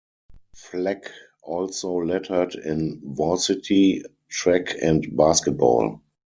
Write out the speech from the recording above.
Fleck also lettered in varsity track and basketball.